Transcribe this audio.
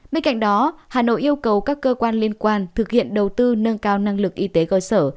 bên cạnh đó hà nội yêu cầu các cơ quan liên quan thực hiện đầu tư nâng cao năng lực y tế cơ sở